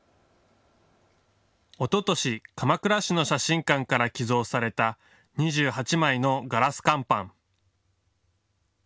おととし鎌倉市の写真館から寄贈された２８枚のガラス乾板。